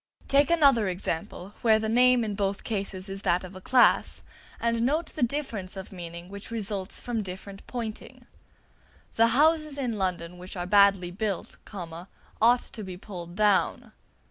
Take another example, where the name in both cases is that of a class, and note the difference of meaning which results from different pointing: "The houses in London which are badly built, ought to be pulled down."